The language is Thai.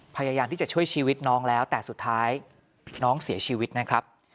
พยายามที่จะช่วยชีวิตน้องแล้วแต่สุดท้ายน้องเสียชีวิตนะครับ